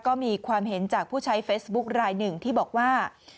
ก็มีความเห็นจากผู้ใช้เฟซบุ๊คลายหนึ่งที่บอกว่า